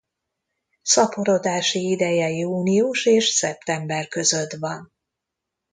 Szaporodási ideje június és szeptember között van.